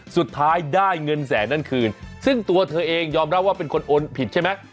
สุดท้ายได้เงินแสนนั้นคืนซึ่งตัวเธอเองยอมรับว่าเป็นคนโอนผิดใช่ไหม